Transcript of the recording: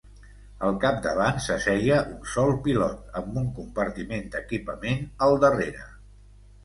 Al capdavant s'asseia un sol pilot amb un compartiment d'equipament al darrere.